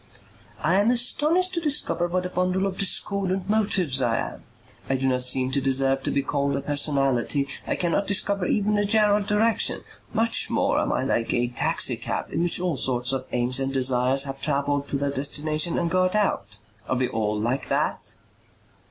"I am astonished to discover what a bundle of discordant motives I am. I do not seem to deserve to be called a personality. I cannot discover even a general direction. Much more am I like a taxi cab in which all sorts of aims and desires have travelled to their destination and got out. Are we all like that?"